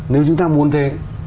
nếu chúng ta muốn thế